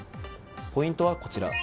ポイントはこちら。